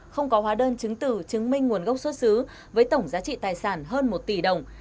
không có hóa đơn chứng từ chứng minh nguồn gốc xuất xứ với tổng giá trị tài sản hơn một tỷ đồng